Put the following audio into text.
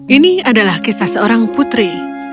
ini adalah kisah seorang putri